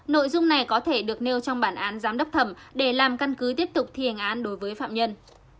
nội dung này có thể được nêu trong bản án giám đốc thẩm để làm căn cứ tiếp tục thi hành án đối với phạm nhân